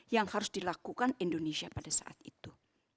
yang harus dilakukan indonesia pada saat itu